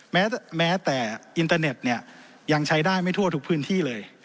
แม้แต่อินเตอร์เน็ตเนี่ยยังใช้ได้ไม่ทั่วทุกพื้นที่เลย